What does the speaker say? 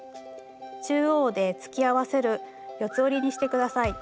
中央で突き合わせる四つ折りにして下さい。